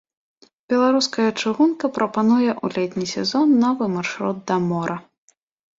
Беларуская чыгунка прапануе ў летні сезон новы маршрут да мора.